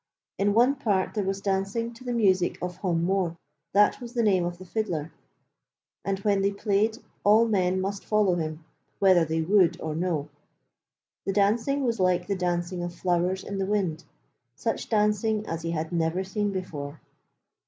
In one part there was dancing to the music of Hom Mooar that was the name of the fiddler and when he played all men must follow him whether they would or no. The dancing was like the dancing of flowers in the wind, such dancing as he had never seen before.